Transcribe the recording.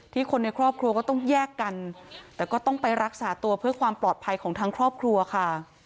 คนในครอบครัวก็ต้องแยกกันแต่ก็ต้องไปรักษาตัวเพื่อความปลอดภัยของทั้งครอบครัวค่ะ